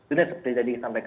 itu seperti tadi disampaikan